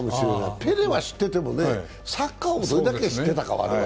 ペレは知ってても、サッカーを我々がどれだけ知ってたか。